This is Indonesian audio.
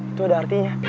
itu ada artinya